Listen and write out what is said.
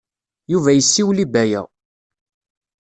Yuba yessiwel i Baya.